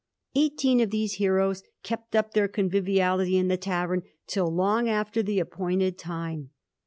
Eighteen of these heroes kept up their conviviality in the tavern till long after the ap pointed time.